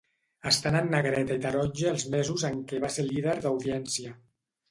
Estan en negreta i taronja els mesos en què va ser líder d'audiència.